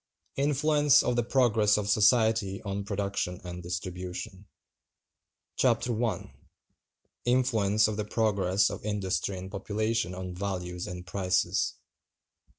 INFLUENCE OF THE PROGRESS OF SOCIETY ON PRODUCTION AND DISTRIBUTION. Chapter I. Influence Of The Progress Of Industry And Population On Values And Prices.